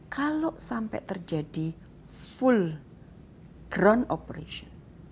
kalau sampai terjadi full ground operation